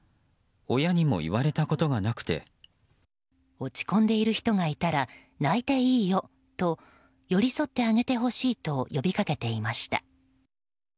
落ち込んでいる人がいたら泣いていいよと寄り添ってあげてほしいと呼びかけていました。